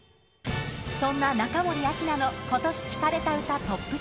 そんな中森明菜の今年聴かれた歌トップ３。